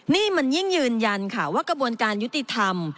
นี่มันยิ่งยืนยันค่ะว่ากระบวนการยุติธรรม